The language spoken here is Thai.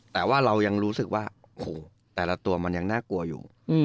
แต่ว่าเรายังรู้สึกว่าโอ้โหแต่ละตัวมันยังน่ากลัวอยู่